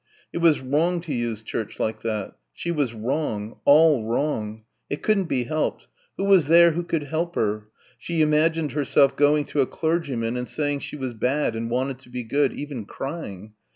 It was wrong to use church like that. She was wrong all wrong. It couldn't be helped. Who was there who could help her? She imagined herself going to a clergyman and saying she was bad and wanted to be good even crying.